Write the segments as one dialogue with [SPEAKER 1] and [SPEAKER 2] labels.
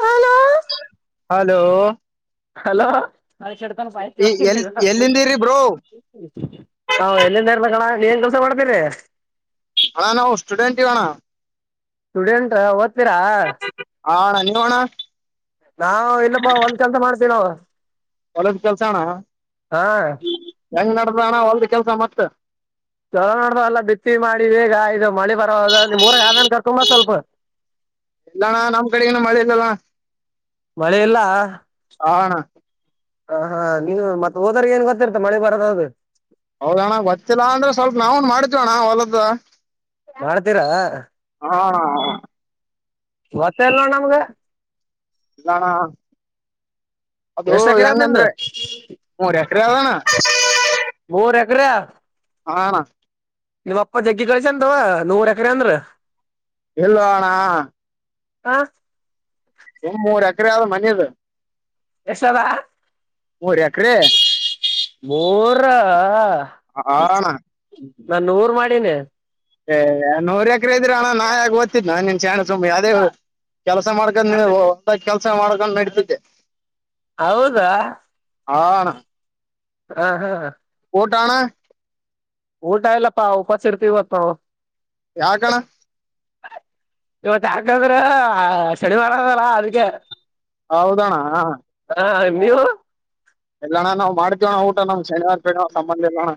[SPEAKER 1] Hello
[SPEAKER 2] hello
[SPEAKER 1] hello ಹ
[SPEAKER 2] ಈ ಎಲ್ ಎಲ್ಲಿಂದಿರಿ ಬ್ರೋ
[SPEAKER 1] ಹ್ ಎಲ್ಲಿಂದ ಇರ್ನ ಕಣ ನೀನ್ ಕೆಲ್ಸ ಮಾಡ್ತೀರಿ
[SPEAKER 2] ಅಣ್ಣ ನಾವು ಸ್ಟೂಡೆಂಟ್ವಣ್ಣ
[SPEAKER 1] ಸ್ಟೂಡೆಂಟ್ ಓದ್ತೀರಾ
[SPEAKER 2] ಹಾಣ್ಣ ನೀವ ಹಣ್ಣ
[SPEAKER 1] ನಾವವು ಇಲ್ಲಪ್ಪ ಒಂದ್ ಕೆಲ್ಸ ಮಾಡ್ತೀ ನ
[SPEAKER 2] ಒಳ್ಳದ ಕೆಲ್ಸ ಅಣ್ಣ
[SPEAKER 1] ಹಾ
[SPEAKER 2] ಹೆಂಗ್ ನಡ್ದ ಅಣ್ಣ ಒಳದ ಕೆಲ್ಸ ಮತ್ತ
[SPEAKER 1] ಚೊಲೋ ನೋಡ್ದ ಅಲ್ಲ ಬಿತ್ತಿ ಮಾಡಿ ಬೇಗ ಆಯದು ಮಳೆ ಬರದು ಮೂರ ಆದನ್ ಕರ್ ತುಂಬಾ ಸ್ವಲ್ಪ
[SPEAKER 2] ಇಲ್ಲ ನಮ್ ಕಡೆ ಏನು ಮಳೆ ಇಲ್ಲ
[SPEAKER 1] ಮಳೆ ಇಲ್ಲಾ
[SPEAKER 2] ಹಾ ಅಣಾ
[SPEAKER 1] ಹ ಹಾ ನೀವು ಮತ್ ಓದೋರಿಗ್ ಏನ್ ಗೊತ್ತಿರ್ತ ಮಳೆ ಬರದ ಅದು
[SPEAKER 2] ಹೌದಣ ಗೊತ್ತಿಲ್ಲ ಅಂದ್ರೆ ಸ್ವಲ್ಪ ನಾವು ಮಾಡ್ತವಿ ಅಣ್ಣ ಹೊಲದ್ದ
[SPEAKER 1] ಮಾಡ್ತೀರಾ
[SPEAKER 2] ಹಾ ಹ ಹ
[SPEAKER 1] ಗೊತ್ತೇಲ್ವಾ ನಮ್ಗೆ
[SPEAKER 2] ಇಲ್ಲಣ ಅದು
[SPEAKER 1] ಎಷ್ಟ್ ಎಕರೆ ಅದ್ ನಿಮ್ದು
[SPEAKER 2] ಹೆಂಗಂದ್ರೆ ಮೂರ ಎಕರೆ ಆದಣ್ಣ
[SPEAKER 1] ಮೂರ್ ಎಕ್ರೆ
[SPEAKER 2] ಹಾ ಅಣ
[SPEAKER 1] ನಿಮ್ಮಪ್ಪ ಜಗ್ಗಿ ಗಳಿಸಿ ಆನ ತಗೋ ಮೂರು ಎಕರೆ ಅಂದ್ರ
[SPEAKER 2] ಇಲ್ಲೋಣ
[SPEAKER 1] ಹ
[SPEAKER 2] ಸುಮ್ ಮೂರ್ ಎಕರೆ ಆದ್ ಮನಿದು
[SPEAKER 1] ಎಷ್ಟದ
[SPEAKER 2] ಮೂರ್ ಎಕ್ರೆ
[SPEAKER 1] ಮೂರ್ರ
[SPEAKER 2] ಹಾ ಅಣ್ಣ
[SPEAKER 1] ನಾ ನೂರ್ ಮಾಡೀನಿ
[SPEAKER 2] ಏ ನೂರ್ ಎಕ್ರೆ ಇದ್ರ ಅಣ್ಣಾ ನಾಕ್ ಓದ್ತಿದ್ದೆ ನಿನ್ ಶ್ಯಾನೆ ಸುಮ್ಮ ಯಾವದೇ ಕೆಲ್ಸ ಮಾಡ್ಕೊಂತೀನಿ ಒತ್ತಾಗಿ ಕೆಲ್ಸ ಮಾಡ್ಕೊಂಡ್ ನಡತೆ
[SPEAKER 1] ಹೌದಾ
[SPEAKER 2] ಹಾ ಅಣ್ಣ
[SPEAKER 1] ಹಾ ಹಾ
[SPEAKER 2] ಊಟ ಅಣ್ಣ
[SPEAKER 1] ಊಟ ಇಲ್ಲಪ್ಪಾ ಉಪಾಸ ಇರ್ತಿವಿ ಇವತ್ ನಾವು
[SPEAKER 2] ಯಾ ಕಣ
[SPEAKER 1] ಇವತ್ ಯಾಕಾದ್ರೆ ಶನಿವಾರ ಅದಲ್ಲ ಅದ್ಕ್ಕೆ
[SPEAKER 2] ಹೌದಾ ಅಣ್ಣ
[SPEAKER 1] ಹಾ ಹಾ ನೀವು
[SPEAKER 2] ಇಲ್ಲಣ್ಣ ನಾವ್ ಮಾಡ್ತವಿ ಅಣ್ಣ ಊಟ ನ್ ಶನಿವಾರ ಸಂಬಂಧ ಇಲ್ಲೋಣ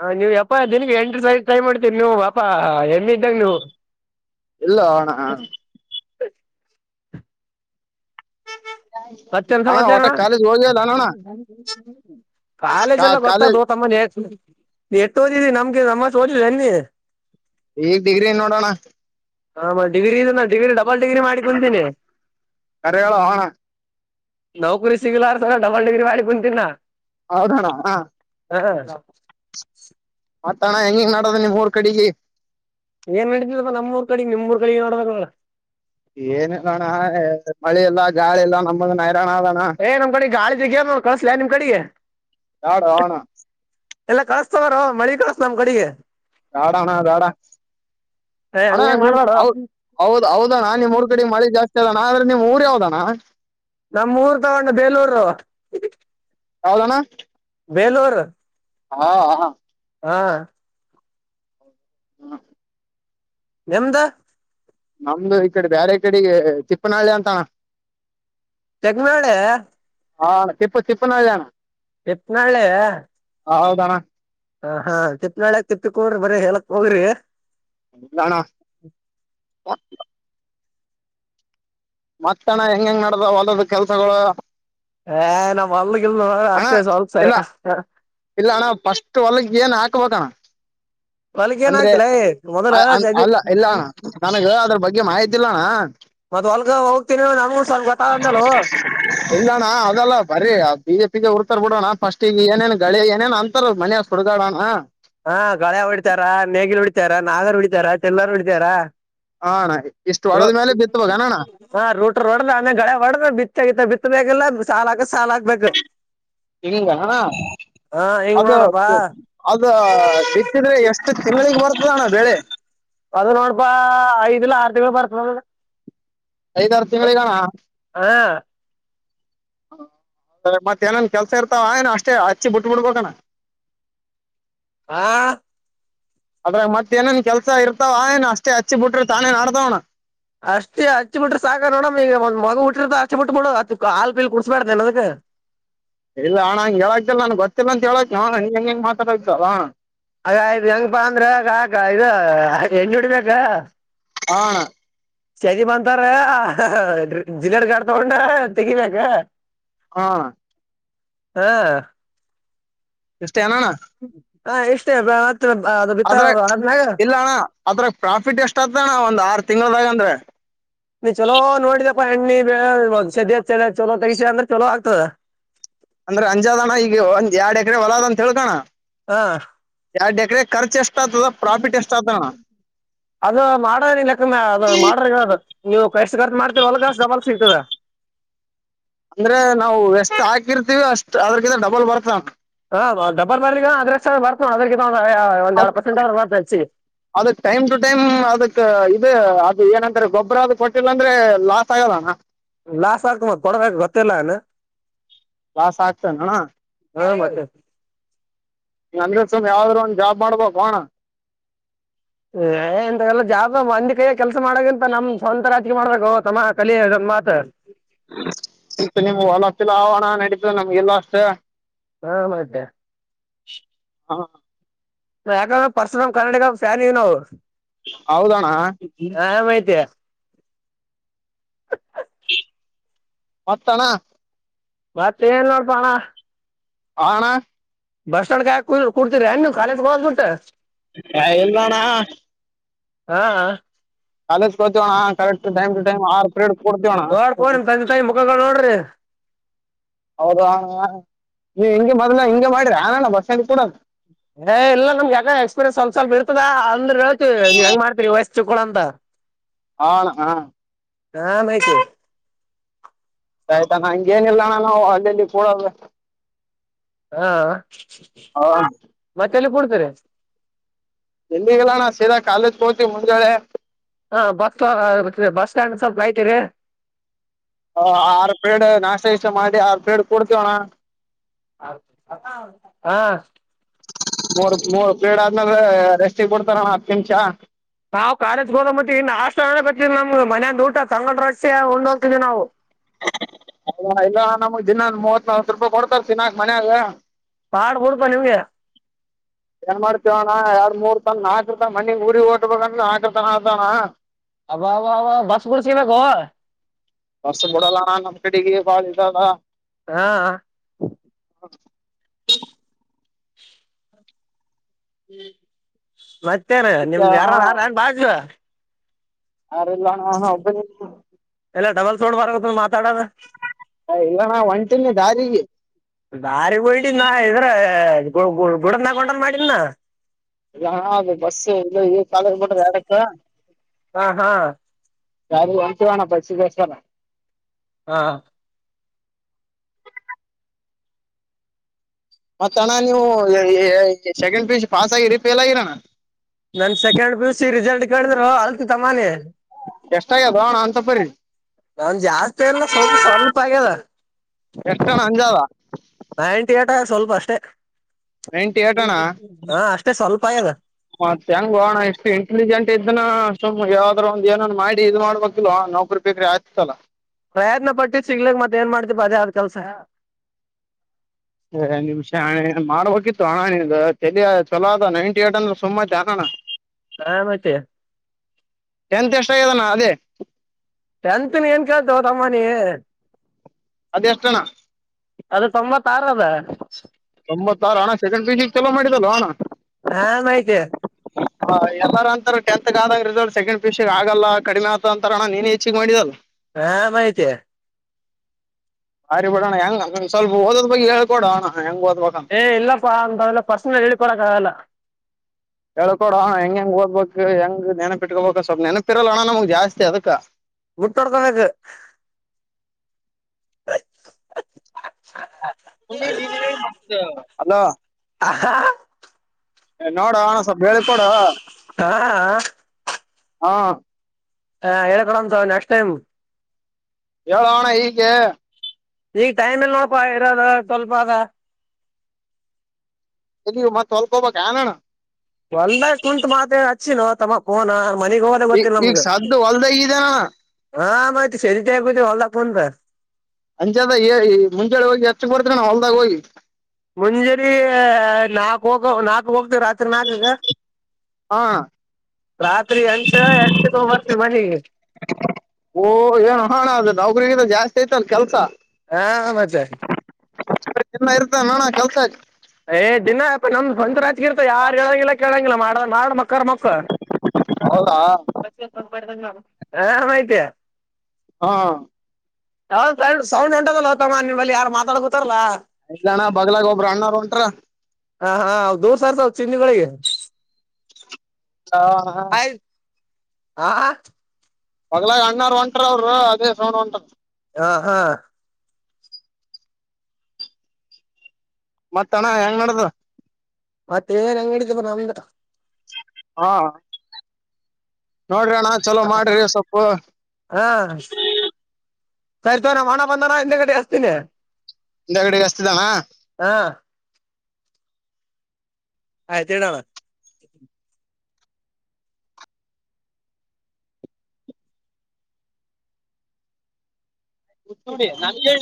[SPEAKER 1] ಹಾಂ ನೀವು ಯಪ್ಪ ದಿನಕ್ಕೆ ಎಂಟ ಸರಿ ಗೆ ಟ್ರೈ ಮಾಡ್ತೀರಿ ನೀವು ಎಪ ಎಣ್ಣ ಇದ್ದಾಗ ನೀವು
[SPEAKER 2] ಇಲ್ಲ ಹೊ ಅಣ್ಣ ಹ
[SPEAKER 1] ಹ ಮತ್ತೇನ ಏನು ಸಮಾಚಾರ
[SPEAKER 2] ಒಟ್ಟ
[SPEAKER 1] ಅಣ್ಣ
[SPEAKER 2] ಕಾಲೇಜ್ ಹೋಗಿಲ್ಲ ಅಣ್ಣ
[SPEAKER 1] ಕಾಲೇಜ ಎಲ್ಲ
[SPEAKER 2] ಕಾಲೇಜ್
[SPEAKER 1] ಗೊತ್ತಾದ ತಮ್ಮ ಯಾಕ್ ಸುಮ್ನೆ ನೀ ಎಟ್ಟು ಓದಿದೀರಿ ನಮಗಿಂತ ನಮ್ಮಟೊ ಓದಿದೆ ಏನ್ ನಿ
[SPEAKER 2] ಈಗ್ ಡಿಗ್ರಿ ನೋಡೋಣ
[SPEAKER 1] ಹ ಮ ಡಿಗ್ರಿ ಇದು ನಾ ಡಿಗ್ರಿ ಡಬಲ್ ಡಿಗ್ರಿ ಮ ಬಂದೀನಿ
[SPEAKER 2] ಕರೆ ಹೇಳೋ ಅಣ್ಣ
[SPEAKER 1] ನೌಕರಿ ಸಿಗ್ಲಾರ ಸಲ ಡಲ್ ಡಿಗ್ರಿ ಮಾಡಿ ಬಂದೀನಿ
[SPEAKER 2] ಹೌದಣ ಹ ಮತ್ತ ಅಣ ಎನ್ನು ಹೆಣ್ಣು ಹೆಂಗಿಂಗ ನಡದು ನಿಮ್ ಊರ್ ಕಡೆಗೆ
[SPEAKER 1] ಏನ್ ನಡತಿದದ ನಮ್ಮೂಊ ಕಡೆಿಗೆ ನಿಮ್ಮ್ೂ ಕಡೆ ನೋಡಬೇಕೋ
[SPEAKER 2] ಏನಲ್ಲೋಣ ಮಳಿ ಎಲ್ಲ ಗಾಳಿ ಎಲ್ಲ ನಮ್ಮದು ನೈರಾಣ ಆದ
[SPEAKER 1] ಏ ನಮ್ ಕಡೆ ಗಾಳಿ ಜಗ್ಯ ಕಳಸಲ ನಿಮ್ ಕಡೆಗೆ
[SPEAKER 2] ಬ್ಯಾಡ ಅಣ್ಣ
[SPEAKER 1] ಎಲ್ಲ ಕಾಸ್ತವಾರ ಮಳಿ ಕಸ್ತ್ ನಮ್ ಕಡೆಗೆ
[SPEAKER 2] ದಾಡಣ್ಣ ದಾಡ
[SPEAKER 1] ಏ
[SPEAKER 2] ಹಣ
[SPEAKER 1] ಹಂಗೆ
[SPEAKER 2] ನಿಮ
[SPEAKER 1] ಮಾಡ್ಬ್ಯಾಡೋ
[SPEAKER 2] ಹೌದ್ ಹೌದಾ ನಾ ನಿ್ರ್ ಕಡೆ ಮಾಡಳಿ ಜಾಸ್ತಿ ಣ ಆದ್ರೆಮ್ ಊರು ಯಾವ್ದಣ್ಣ
[SPEAKER 1] ನಮ್ಮ್ ಊರ್ ತಗೊಂಡ ಬೇಲೂರು
[SPEAKER 2] ಹೌದನ್ನ
[SPEAKER 1] ಬೇಲೂರ್
[SPEAKER 2] ಹಾ ಹಾ
[SPEAKER 1] ಹಾ
[SPEAKER 2] ಹ್ಮ
[SPEAKER 1] ಎಮ್ದ
[SPEAKER 2] ನಮ್ದು ಈ ಕಡೆ ಬೇರೆ ಕಡೆಗೆ ತಿಪ್ಪನಹಳ್ಳಿ ಅಂತಾನ
[SPEAKER 1] ಚೆಕ್ಮಾಳೆ
[SPEAKER 2] ಹಾ ತಿಪ್ಪ ತಿಿಪ್ಪನಳ
[SPEAKER 1] ಟಪ್ಪನಾಳೆ
[SPEAKER 2] ಹ ಹೌದಣ್ಣ
[SPEAKER 1] ಹ ಹಾ ತಿಪ್ಪನಾಾಳ್ಯಕ್ ತಿಪ್ಪಿ ಕೋ್ರಿರರಿ ಹೇಳಲಕ್ ಹೋಗ್ರಿ
[SPEAKER 2] ಣ ಮತ್ತಣ ಹೆಂಗ ಹೆಂಗ್ ನಡ್ದ ಹೊಲದ್ ಕೆಲ್ಸಗಳು
[SPEAKER 1] ಏ ನಮ್ ಅಲ್ಗಿಲ್ ನೋ
[SPEAKER 2] ಅಣ್ಣ
[SPEAKER 1] ಅಷ್ಟೇ ಸವಲ್ ಸರಿ
[SPEAKER 2] ಇಲ್ಲ ಇಲ್ಲ ಅಣ್ಣ ಫಸ್ಟ್ ಹೊಲಗ್ ಏನ್ ಹಾಕ್ಬೇಕ ಅಣ್ಣ
[SPEAKER 1] ಹೊಲ್ಗ ಏನ್
[SPEAKER 2] ಅಂದ್ರೆ
[SPEAKER 1] ಆಗ್ತಿಲ್ಲ ಮೊದಲ
[SPEAKER 2] ಅ ಅ
[SPEAKER 1] ಜಗಿ
[SPEAKER 2] ಅಲ್ಲ ಇಲ್ಲಣ್ಣ ನನಗ ಅದ್ರ ಬಗ್ಗೆ ಮಾಹಿತಿಲ್ಲಣ
[SPEAKER 1] ಮತ್ತ ಹೊಲ್ಗ ಹೋಗ್ತೀನಿ ನನ್ಗೂಡ್ ಸ್ವಲ್ಪ ಗೊ ಅಂದಲ್
[SPEAKER 2] ಇಲ್ಲಣ್ಣ ಅದಲ್ಲ ಬರಿೀ ಬಿ ಜೆ ಪ ಿಗೆ ಉುರ್ತರ್ ಬಿಡೋಣ ಫಸ್ಟ್ ಈಗ ಏನೇನ್ ಗಳಿ ಏನೇನ್ ಅಂತಾರ ಮನೆಯ ಹುಗಾೋಣ
[SPEAKER 1] ಹಾ ಗಳೆ ಹೊಡಿತಾರ ನೇಗಿಲು ಹೊಡಿತಾರ ನಾಗರ್ ಹೊಡಿತಾರ ಚೆಲ್ಲರು ಹೊಡಿತಾರ
[SPEAKER 2] ಹಣ ಇಷ್ಟು ಹೊಡದ ಮೇಲೆ ಬಿತ್ುವಾಗಣಣ್ಣ
[SPEAKER 1] ಹಾ ರೂಟರ್ ಒಡ್ದ್ ಆಮೇ ಗಳೆ ಹೊಡದ ಬಿತ್ತ ಆಗತ್ತ ಬಿತ್ಬೇಕೇಕಿಲ್ಲಾ ಸಾಾಲ ಹಾಕದ ಸಾಾಲ ಹಾಕ್ಬೇಕ್ರಿ
[SPEAKER 2] ಇಂಗ ಹಣ
[SPEAKER 1] ಹಾ ಹಿಂಗ್
[SPEAKER 2] ಅದು
[SPEAKER 1] ನೋಡಪ್ಪಾ
[SPEAKER 2] ಅದ ಸಿಕ್ಕಿದ್ರೆ ಎಷ್ಟು ತಿಂಗಳಿಗೆ ಬರ್ತದಣ್ಣ ಬೆಳೆ
[SPEAKER 1] ಅದ ನೋಡಪಾ ಐದ್ಲ ಆರ್ ದಿವ ಬರ್ತ
[SPEAKER 2] ಐದಾರು ತಿಂಗಳಿಗಣ
[SPEAKER 1] ಹಾ
[SPEAKER 2] ಮತ್ತತ್ ಏನನ್ ಕೆಲ್ಸ ಇರ್ತಾವ ಏನ ಅಷ್ಟೇ ಹಚ್ಚಿ ಬಿಟ್ ಬಿಡ್ಬಾನ [inaudible]
[SPEAKER 1] ಹಾ
[SPEAKER 2] ಅದ್ರ ಮತ್ತತ್ ಏನೇನ್ ಕೆಲ್ಸ ಇರ್ತಾವ ಏನ್ ಅಷ್ಟೇ ಹಚ್ಚಿ ಬಿಟ್ರೆ ತಾನೇ ಮಾಡಡ್ತವಣ
[SPEAKER 1] ಅಷ್ಟೇ ಹಚ್ಚಿ ಬಿಟ್ರೆ ಸಾಕ ನೋಡಮ ಈಗ ಒಂದ ಮಗ ಬಿಟ್ಟಿ್ರ ಅಚ್ಚಿ ಬಿಟ್ಬ ಬಿಡು ಅ ಹಾಲ್ ಪೀಲ್ ಕುಡಸಬಡ್ದನೆ ಅದಕ್
[SPEAKER 2] ಇಲ್ಲ ಹಣ್ಣ ಹಂಗಗೆ ಹೇಳಕ್ತಿಲ್ಲ ನನ್ ಗೊತ್ತಿಲ್ಲ ಅಂತ ಹೇಳಕ್ ಹೆಂಗ ಹೆಂಗ ಮಾತಾಡತಲ್ಲ
[SPEAKER 1] ಅ ಆಯ್ ಹೆಂಗಪ್ಪಾ ಅಂದ್ರೆಾಕ ಇದು ಹೆಂಜುಡಿಬೇಕ
[SPEAKER 2] ಹಾ
[SPEAKER 1] ಸಜಿ ಬಂತಾರ ಜಿಲಡ್ ಗಾಡ್ ತಗೊಂಡ ತೆಗಿಬೇಕ
[SPEAKER 2] ಹಾ
[SPEAKER 1] ಹಾ
[SPEAKER 2] ಎಷ್ಟೇ [unintelligible] ಅದ್ರಾಗ
[SPEAKER 1] [unintelligible]
[SPEAKER 2] ಇಲ್ಲ ಅಣ್ಣಾ. ಅದ್ರಾಗ ಪ್ರಾಫಿಟ್ ಎಷ್ಟ ಆತ ಅಣ್ಣಾ ಒಂದ ಆರ್ ತಿಂಗಳದಾಗ ಅಂದ್ರ.
[SPEAKER 1] ನೀ ಚಲೋ ನೋಡಿದಪ್ಪಾ [unintelligible] ಚಲೋ ತಗಸಿ ಅಂದ್ರ ಚಲೋ ಆಗ್ತದ.
[SPEAKER 2] ಅಂದ್ರೆ ಅಂಜದ ಅಣ್ಣ ಈಗ ಒಂದ್ ಎರಡ್ ಎಕರೆ ಹೊಲದ ಅಂತ ಹೇಳ್ಕೋಣ.
[SPEAKER 1] ಹಾ
[SPEAKER 2] ಯಾಡ್ ಎಕರೆ ಖರ್ಚ್ ಎಷ್ಟ್ ಆಗ್ತದ ಪ್ರಾಫಿಟ್ ಎಷ್ಟ್ ಆಗ್ತದಣ್ಣ
[SPEAKER 1] ಅದು ಮಾಡ [unintelligible] ನೀವು [unintelligible] ಡಬಲ್ ಸಿಗ್ತದ.
[SPEAKER 2] ಅಂದ್ರೆ ನಾವು ಎಷ್ಟ್ ಹಾಕಿರ್ತಿವಿ ಅಷ್ಟ್ ಅದ್ರಕಿಂತ ಡಬಲ್ ಬರ್ತ್ ಅಣ್ಣಾ.
[SPEAKER 1] ಹಾ ಡಬ್ಬಲ್
[SPEAKER 2] ಅದು
[SPEAKER 1] [unintelligible]
[SPEAKER 2] ಅದಕ್ ಟೈಮ್ ಟು ಟೈಮ್ ಅದಕ್ ಇದು ಅದು ಏನಂದ್ರ ಗೊಬ್ಬರ ಅದು ಕೊಟ್ಟಿಲ್ಲ ಅಂದ್ರೆ ಲಾಸ್ ಆಗಲ್ಲ ಅಣ್ಣಾ.
[SPEAKER 1] ಲಾಸ್ [unintelligible]
[SPEAKER 2] ಲಾಸ್ ಆಗ್ತಾನ ಅಣ್ಣಾ.
[SPEAKER 1] ಹಾ ಮತ್ತೆ.
[SPEAKER 2] ನಂಗೆ [unintelligible] ಯಾವ್ದರೆ ಒಂದ್ ಜಾಬ್ ಮಾಡ್ಬೇಕೊ ಅಣ್ಣಾ.
[SPEAKER 1] ಏ ಇಂತವೆಲ್ಲಾ ಜಾಬ ಮಂದಿ ಕೈಯಾಗ ಕೆಲ್ಸ ಮಾಡಕ್ಕಿಂತ ನಮ್ ಸ್ವಂತ ರಾಜಕಿಯಾ ಮಾಡಬೇಕೋ ತಮ್ಮ ಕಲಿ ಇದೊಂದು ಮಾತ.
[SPEAKER 2] ಇತ್ತ ನಿಮ್ಗ ಹೊಲ [unintelligible] ನಡೀತ ನಮಗಿಲ್ಲ ಅಷ್ಟ.
[SPEAKER 1] ಹಾ ಮತ್ತೆ.
[SPEAKER 2] ಹಾ
[SPEAKER 1] ಯಾಕಂದ್ರ [unintelligible]
[SPEAKER 2] ಹೌದಾ ಅಣ್ಣಾ.
[SPEAKER 1] ಹಾ ಮತ್ತೆ.
[SPEAKER 2] ಮತ್ತ್ ಅಣ್ಣಾ.
[SPEAKER 1] ಮತ್ತ ಏನಿಲ್ಲ ನೋಡಪಾ ಅಣ್ಣಾ.
[SPEAKER 2] ಹಾ ಅಣ್ಣಾ.
[SPEAKER 1] ಬಸ್ಟ್ಯಾಂಡ್ [unintelligible] ಕುಡ್ತಿರಾ ನೀವು ಕಾಲೇಜ ಹೋಗೋದ ಬಿಟ್ಟ.
[SPEAKER 2] ಹೇ ಇಲ್ಲ ಅಣ್ಣಾ.
[SPEAKER 1] ಹಾ ಹ.
[SPEAKER 2] ಕಾಲೇಜ್ ಹೋಗ್ತೀವಣ್ಣ ಕರೆಕ್ಟ್ ಟೈಮ್ ಟು ಟೈಮ್ ಆರ್ ಪಿರಿಯಡ್ ಕೊಡ್ತೀವಣ್ಣ
[SPEAKER 1] [unintelligible]
[SPEAKER 2] ಹೌದೋ ಅಣ್ಣಾ ನೀ ಹಿಂಗೆ ಮದ್ಲ ಹಿಂಗೆ ಮಾಡ್ರಿಯ ಏನ್ ಬಸ್ಟ್ಯಾಂಡ್ [unintelligible]
[SPEAKER 1] ಎ ಇಲ್ಲ ನಮ್ಗೆ ಯಾಕ್ ಎಕ್ಸ್ಪೀರಿಯನ್ಸ್ ಸ್ವಲ್ಪ ಸ್ವಲ್ಪ ಇರ್ತದ ಅಂದ್ರೆೇಳ್ತಿ ಹೆಂಗ ಮಾಡ್ತಿರಿ ವಯಸ್ ಚಿಕ್ಕಳ ಅಂತ.
[SPEAKER 2] ಹಾ ಅಣ್ಣಾ ಹ.
[SPEAKER 1] ಹಾ [unintelligible]
[SPEAKER 2] ಆಯ್ತ್ ಅಣ್ಣಾ ಹಂಗೇನ್ ಇಲ್ಲಾ ಅಣ್ಣಾ [unintelligible]
[SPEAKER 1] ಹಾ
[SPEAKER 2] ಹಾ
[SPEAKER 1] ಮತ್ತೆ ಎಲ್ಲಿ ಕೂಡ್ತಿರಿ.
[SPEAKER 2] ಎಲ್ಲಿಗ್ ಇಲ್ಲಾ ಅಣ್ಣ ಸೀದಾ ಕಾಲೇಜ್ ಹೋಗ್ತೀವಿ ಮುಂಜಾಳೆ.
[SPEAKER 1] ಹಾ [unintelligible]
[SPEAKER 2] ಹ ಆರ್ ಪ್ರೀಡ್ ನಾಷ್ಟಾ ಇಷ್ಟ ಮಾಡಿ ಆರ್ ಪ್ರೀಡ್ ಕೊಡ್ತೀವಿ ಅಣ್ಣಾ.
[SPEAKER 1] ಹಾ
[SPEAKER 2] ಮೂರ್ ಮೂರ್ ಪ್ರೀಡ್ ಆದ್ಮೇಲೆ ರೆಸ್ಟಿಗೆ ಬಡ್ತಾರ ಅಣ್ಣಾ ಹತ್ತು ನಿಮಿಷ.
[SPEAKER 1] ನಾವ್ ಕಾಲೇಜಗೆ [unintelligible] ಮನ್ಯಾಂದ್ ಊಟ ತಂಗಳ್ ರೊಟ್ಟಿ ಉಂಡ್ ಹೋಗ್ತೀದು ನಾವು.
[SPEAKER 2] ಅ ಇಲ್ಲ ನಮಗ್ ದಿನ ಮೂವತ್ ನಲ್ವತ್ ರೂಪಾಯಿ ಕೊಡ್ತಾರ ತಿನಾಕ್ ಮನ್ಯಾಗ
[SPEAKER 1] ಪಾಡ್ ಬಿಡುಪ ನಿಮ್ಗೆ
[SPEAKER 2] ಏನ್ ಮಾಡ್ತೀವಣ್ಣ ಎರಡು ಮೂರ್ ತನ ನಾಕು ತನ ಮನಿಗ್ ಊರಿ ಟ್ಬೇಕಂದ್ರ ನಾಲ್ಕರ ತನ ಆತ ಅಣ್ಣ
[SPEAKER 1] ಅಬ್ ಬಾ ಬಾ ಅವ ಬಸ್ ಬಿಸ್ಬೇಕು
[SPEAKER 2] ವರ್ಸ ಬಿಡಲ್ಲ ನಮ್ಮ್ ಕಡೆಗೆ ಬಾಳ ಇದ್ದದ
[SPEAKER 1] ಹಾ
[SPEAKER 2] ಹ
[SPEAKER 1] ಹ್ಮ ಮತ್ತೇನ್
[SPEAKER 2] ಅದಕ್ಕೆ
[SPEAKER 1] ನಿಮ್ದ
[SPEAKER 2] ಅಣ್ಣ
[SPEAKER 1] ಯಾರಾರ ಯಾರ ನನ್ ಬಾಜು
[SPEAKER 2] ಯಾರು ಇಲ್ಲ ಅಣ್ಣ ಒಬ್ಬನೇ ಇದೀನಿ
[SPEAKER 1] ಎಲ್ಲಾ ಡಬಲ್ಸ್ ಸೌಂಡ್ ಬರ್ತ್ತ ಮಾತಾಡದ
[SPEAKER 2] ಹ ಇಲ್ಲ ನಾ ಒಂಟಿನ ದಾರಿಗೆ
[SPEAKER 1] ದಾರಿಗೆ ಹೊಂಟಿ ಇದ್ರ ಗುಡ ನಗೊಂಡ್ ಮಾಡಿದನ
[SPEAKER 2] ಇಲ್ಲಾ ಅದು ಬಸ್ ಇಲ್ಲ ಕಧ ಬಿಟ್ರ ಆಡಕ್ಕ
[SPEAKER 1] ಹಾ ಹಾ
[SPEAKER 2] ಯ ಹೂಂಟಿವ್ ಅಣ್ಣ ಬಸ್ ರೆಸುಶ್ ಅದ
[SPEAKER 1] ಹಾ
[SPEAKER 2] ಮತ್ತ ಅಣ್ಣ ನೀವು ಸೆಕೆಂಡ್ ಪೀಜ್ ಪಾಸ್ ಆಗಿ ರಿಫೇಲ್ ಆಗಿರಣ್ಣ
[SPEAKER 1] ನನ್ ಸೆಕೆಂಡ್ ಪಿ ಸಿ ರಿಸಲ್ಟ್ ಕೇಳಿದ್ರು ಅಲ್ತ್ ತಮ್ಮಾನಿ
[SPEAKER 2] ಎಷ್ಟ ಆಗ ಬೋಣ ಅಂತಪ್ಪ್ರಿ
[SPEAKER 1] ನನ್ ಜಾಸ್ತಿ ಎಲ್ಲ ಸ್ವಲ್ಪ ಸ್ವಲ್ಪ ಆಗ್ಯಲ್ಲ
[SPEAKER 2] ಎಷ್ಟ ಅಣ್ಣ ಅಂಜಾದ
[SPEAKER 1] ನ ಎಂಟ ಆಟ ಸ್ವಲ್ಪ ಅಷ್ಟೇ
[SPEAKER 2] ನೈಂಟಿ ಏಟ್ ಅಣ್ಣ
[SPEAKER 1] ಹಾ ಅಷ್ಟೇ ಸ್ವಲ್ಪ ಇದ
[SPEAKER 2] ಮತ್ತ ಹೆಂಗ್ ಬೋಣ ಇಷ್ಟು ಇಂಟೆಲಿಜೆಂಟ್ ಇದನ ಸುಮ್ ಯಾವ್ದ ಒಂದ ಏನ್ ಮಾಡಿ ಇ್ ಮಾಡ್ಬೇಕಿಲ್ವ ನೌಕರಿ ಬೇಕ್ರೆ ಆಯ್ತಲ್ಲ
[SPEAKER 1] ಪ್ರಯತ್ನ ಪಟ್ಟ ಸಿಗ್ಲ ಮತ್ತ್ತ ಏನ್ ಮಾಡ್ತತಿವಿ ಬದ ಆದ್ ಕೆಲ್ಸ
[SPEAKER 2] ಏ ನಿಮಿಷಣ ಮಾಡ್ಬೇಕಿತ್ತು ಅಣಣ ಚಲ ಚಲೋ ಅದ ನೈಂಟಿ ಏಟ್ ಅಂದ್ರೆ ಸುಮ್ಮತ್ತ ಅಣಣ
[SPEAKER 1] ಹ ಮತ್ತ
[SPEAKER 2] ಎಂತ ಎಷ್ಟ ಆಗದಾನ ಅದೇ
[SPEAKER 1] ಟೆಂತ್ ಏನ್ ಕೇಳ್ತವ ಅಮ್ಮನಿ
[SPEAKER 2] ಅದೆ ಎಷ್ಟಣ್ಣ
[SPEAKER 1] ಅದು ತೊಂಬತ್ತ ಆರ ಅದ
[SPEAKER 2] ತಂಬತ್ತಾರು ಹಣ ಸೆಕೆಂಡ್ ಪಿಸಿಕ್ ಚಲೋ ಮಾಡಿದಲ್ವ ಹಣ
[SPEAKER 1] ಹಾ ಮಾಹಿತ
[SPEAKER 2] ಎಲ್ಲಾರ ಅಂತಾರ ಟಂತ್ಗ ಆದಂಗ ರಿಸಲ್ಟ್ ಸೆಕಂಡ್ ಪಿಷನ್ ಆಗಲ್ಲ ಕಡಿಮೆ ಆತ ಅಂತಾರೋಣ ನೀನೇ ಹೆಚ್ಚಗ್ ಮಾಡಿದಲ್ಲ
[SPEAKER 1] ಹಾ ಮಾಹತಿ
[SPEAKER 2] ಅರಿ ಬಿಡಣ್ಣ ಹೆಂಗ ಸ್ವಲ್ಪ ಓದ ಬಗ್ಗೆ ಹಳ್ಕೊಣ ಹೆಂಗ ಓದ್ಬೇಕ
[SPEAKER 1] ಏ ಇಲ್ಲಪ್ಪಾ ಅಂತಲ್ಲ ಪರ್ಸನಲ್ ಹೇಳಿ ಕೊಡಕಲ್ಲ
[SPEAKER 2] ಹೇಳ್ಕೊಡಣ ಹೆಂಗ ಹೆಂಗ ಓದ್ಬೇಕು ಹೆಂಗ ನೆನಪಿಟ್ಕೋಬೇಕಕ್ ಸ್ವಲ್ಪ ನೆನಪಿರಲ್ಲೋಣ್ಣ ನಮಗ್ ಜಾಸ್ತಿ ಅದಕ್ಕ
[SPEAKER 1] ಬಿಟ್ಟರ್ತಬೇಕ ಆಯ್
[SPEAKER 2] ಅಲ
[SPEAKER 1] ಹ ಹಾ
[SPEAKER 2] ನೋಡ ಹಣಸವ ಹೇಳತೊಡ
[SPEAKER 1] ಹಾ
[SPEAKER 2] ಹಾ
[SPEAKER 1] ಹಂ ಹೇಳಳ್ಕಡಮ್ ಸ ನೆಕ್ಸ್ ಟೈಮ್
[SPEAKER 2] ಹೇಳೋಣ ಈಗೆ
[SPEAKER 1] ಈಗ ಮ ಇಲ್ಲ ಪ ಇರದ ತೊಲ್ಪಾಗ
[SPEAKER 2] ಎಲ್ಲಿ ಮತ್ತತ್ ಸ್ಲ್ಪೋಬೇಕಾಗಾಣೋಣ
[SPEAKER 1] ಒಲ್ಲ ಕುಂಂತು ಮಾತ ಅಚ್ಚಿನ ತಮ್ಮಫೋನ ಮನಿಗ ಹ
[SPEAKER 2] ಈ ಈಗ ಸದ್ದು ಹೊಲ್ದ್ದಾನ
[SPEAKER 1] ಹಾ ಮತ್ ಸರಿ ಜಗ ಹೊಲ್ಲದಫನ್ಂತ
[SPEAKER 2] ಅಂಜದ ಮುಂಜೆ ಹೋಗಿ ಎಷ್ಟಕ್ ಬರ್ತ್ರಿ ನಾವು ಹೊಲ್ದಾಗ ಹೋಗಿ
[SPEAKER 1] ಮುಂಜಾನೆ ನಾಲ್ಕು ಹೋಗ ನಾಲ್ಕು ಹೋಗ್ತವಿ ರಾತ್ರಿ ನಾಲ್ಕಗೆ
[SPEAKER 2] ಹಾ
[SPEAKER 1] ರಾತ್ರಿ ಅಂಷ ಎಂಟಗ ಬರ್ತೀವಿ ಮನನೆಗೆ
[SPEAKER 2] ಓಹ ಏನು ಹಣ ಅದ ನೌಕರಿಗಿಂದ ಜಾಸ್ತಿ ಐತಲ್ ಕೆಲ್ಸ
[SPEAKER 1] ಹಾ ಮಜಾ
[SPEAKER 2] ಚನ್ನ ಇರ್ತ ನೋಣ ಕಲ್ಸಾಗಿ
[SPEAKER 1] ಏ್ ದಿನಾ ನಮ್ ಸ್ವಂತ ರಾಜಕೀಯಂತ ಯಾರು ಹೇಳೋಂಗಿಲ್ಲ ಕೇಳಂಗಿಲ್ಲ ಮಾಡ ಮಾಡ ಮಕ್ಕ ಮಕ್ಕ
[SPEAKER 2] ಹೌದಾ
[SPEAKER 1] ಹಾ ಮಾಹಿತಾ
[SPEAKER 2] ಹಾ
[SPEAKER 1] ಯ ಸೌಂಡ್ ಉಂಟದಲ್ಲತ್ತಮ್ಮ ನಿಮ್ಮಲ್ಲಿ ಯಾರ್ು ಮಾತಾಡ್ ಕೂತಾರಲ್ಲಾ
[SPEAKER 2] ಇಲ್ಲಣ್ಣ ಬಲಾಗ ಒಬ್ಬ್ರ ಅಣ್ಣ್ ಉಂಟ್ರ
[SPEAKER 1] ಹಾ ಹಾ ದೂರ್ ಸಾರ್ಸ ಚಿನ್ನಿಗಳಿಗೆ
[SPEAKER 2] ಹ ಹ
[SPEAKER 1] ಹಾ
[SPEAKER 2] ಪಗ್ಲಾಗ ಅಣ್ಣಾರ ಒಂಟರ ಅವರು ಅದೇ ಸೌೊಂಡ್ ಒಂಟರು
[SPEAKER 1] ಹಾ ಹಾ
[SPEAKER 2] ಮತ್ತ ಅಣ್ಣ ಹೆಂಗ್ ನಡ್ದ
[SPEAKER 1] ಮತ್ತೆ ಏನ್ ಅಂಗಡಿದ ಬ ನಮ್ದ
[SPEAKER 2] ಹಾ ನೋಡ್ರಿ ಅಣ್ಣ ಚಲೋ ಮಾಡ್ರಿ ಸ್ವಲ್ಪ
[SPEAKER 1] ಹಾ ಸರಿತವ ನ ಹಣ ಬಂದಾನ ಹಿಂದ ಗಡೆ ಹಸ್ತೀನಿ
[SPEAKER 2] ಹಿಂದಗಡೆಗೆಾಸ್ತಿದಾನ
[SPEAKER 1] ಹಾ ಆಯ್ತೇಡಾನ
[SPEAKER 2] ಡಿ ನಮಗೆ